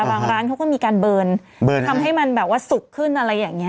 บางร้านเขาก็มีการเบิร์นทำให้มันแบบว่าสุกขึ้นอะไรอย่างนี้